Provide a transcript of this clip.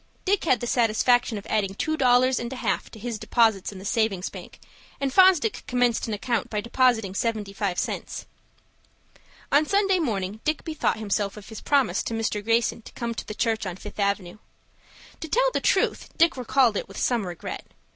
Dick had the satisfaction of adding two dollars and a half to his deposits in the Savings Bank, and Fosdick commenced an account by depositing seventy five cents. On Sunday morning Dick bethought himself of his promise to Mr. Greyson to come to the church on Fifth Avenue. To tell the truth, Dick recalled it with some regret.